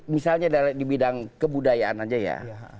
misalnya di bidang kebudayaan aja ya